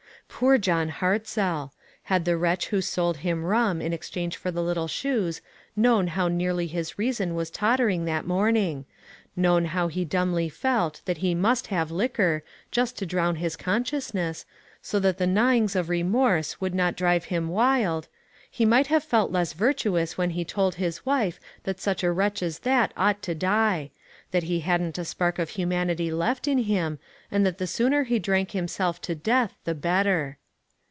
Poor John Hartzell ! Had the wretch who sold him rum in exchange for the little shoes, known how nearly his reason was tottering that morning; known how he dumbly felt that he must have liquor, just to drown his consciousness, so that the gnawings of remorse would not drive him wild, he might have felt less virtuous wtan he told his wife that such a wretch as that ought to die ; that he hadn't a spark of humanity left in him, and that the sooner he drank himself to death the better!